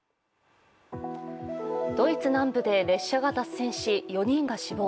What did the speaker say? ドイツ南部で列車が脱線し４人が死亡